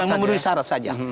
yang memenuhi syarat saja